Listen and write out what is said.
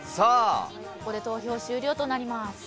ここで投票終了となります。